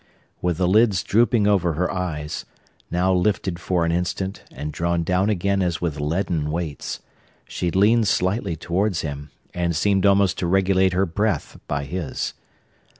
With the lids drooping over her eyes,—now lifted for an instant, and drawn down again as with leaden weights,—she leaned slightly towards him, and seemed almost to regulate her breath by his.